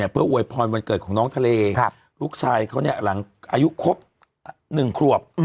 เพื่ออวยพรวนวันเกิดของน้องทะเลครูครุกชัยเขาเนี่ยหลังอายุครบ๑ขวบ